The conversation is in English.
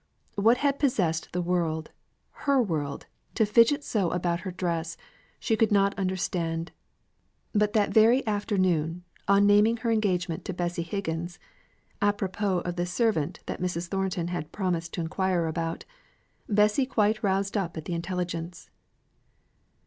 What had possessed the world (her world) to fidget so about her dress, she could not understand; but that very afternoon, on naming her engagement to Bessy Higgins (apropos of the servant that Mrs. Thornton had promised to enquire about), Bessy quite roused up at the intelligence.